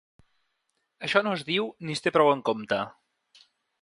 Això no es diu ni es té prou en compte.